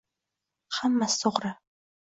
Hammasi to'g'ri?